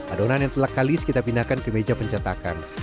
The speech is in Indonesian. adonan yang telah kalis kita pindahkan ke meja pencetakan